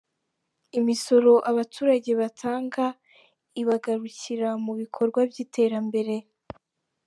Imisoro abaturage batanga ibagarukira mu bikorwa by’iterambere